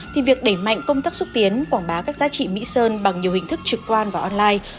thì việc đẩy mạnh công tác xúc tiến quảng bá các giá trị mỹ sơn bằng nhiều hình thức trực quan và online